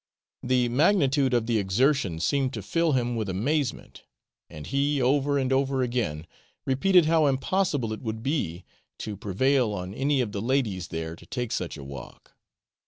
The magnitude of the exertion seemed to fill him with amazement, and he over and over again repeated how impossible it would be to prevail on any of the ladies there to take such a walk.